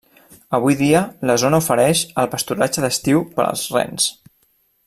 Avui dia, la zona ofereix el pasturatge d'estiu per als rens.